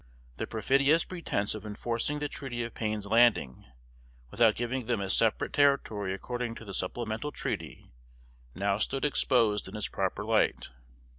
The perfidious pretense of enforcing the treaty of Payne's Landing, without giving them a separate territory according to the supplemental treaty, now stood exposed in its proper light.